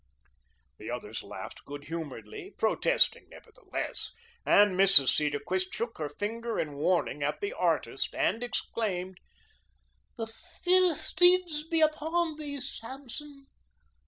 The others laughed good humouredly, protesting, nevertheless, and Mrs. Cedarquist shook her finger in warning at the artist and exclaimed: "The Philistines be upon thee, Samson!"